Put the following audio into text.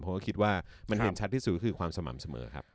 เพราะคิดว่ามันเห็นชัดที่สุดก็คือความสม่ำเสมอครับ